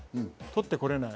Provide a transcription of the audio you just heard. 取ってこれない。